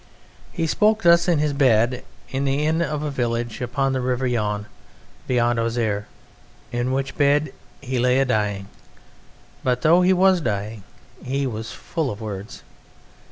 He spoke thus in his bed in the inn of a village upon the River Yonne beyond Auxerre, in which bed he lay a dying; but though he was dying he was full of words.